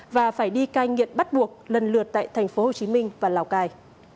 và phải đi cai nghiện bắt buộc lần lượt tại tp hcm và lào cai